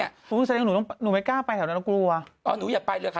ถ้าหนูอยากจะไปเลยอย่าไปเลยค่ะ